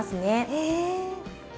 へえ。